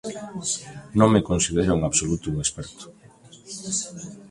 Non me considero en absoluto un experto.